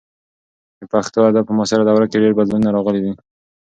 د پښتو ادب په معاصره دوره کې ډېر بدلونونه راغلي دي.